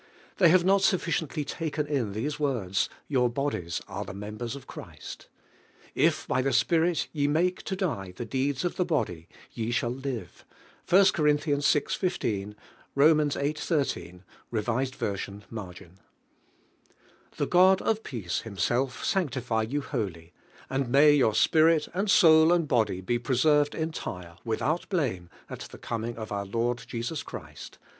They have mot sufficiently taken in these words: "Tour bodies are the members of Christ" "If by the Spirit ye make to die the deeds of the body, ye shall live" (I. Dor. yi. 15; Rom. viii. 13, K.V., margin). "The God of ]>eace Himself sanctify you wholly, and may your spirit and soul and body be pre served entire, without blame, at the com ing of our Lord Jesus Christ" (1.